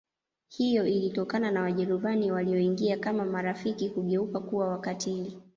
Hiyo ilitokana na Wajerumani walioingia kama marafiki kugeuka kuwa wakatiili